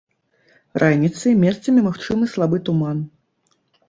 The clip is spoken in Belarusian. Раніцай месцамі магчымы слабы туман.